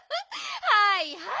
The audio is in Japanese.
はいはい。